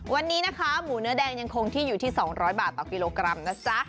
วันนี้นะคะหมูเนื้อแดงยังคงที่อยู่ที่๒๐๐บาทต่อกิโลกรัมนะจ๊ะ